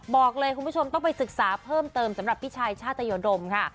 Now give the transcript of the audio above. บอกเลยคุณผู้ชมต้องไปศึกษาเพิ่มเติมสำหรับพี่ชายชาตยดมค่ะ